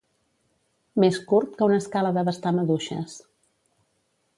Més curt que una escala d'abastar maduixes.